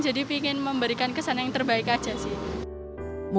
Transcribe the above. jadi ingin memberikan kesan yang terbaik aja sih